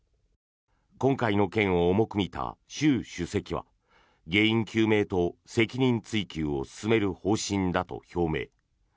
今回の件を重く見た習主席は原因究明と責任追及を進める方針だと表明。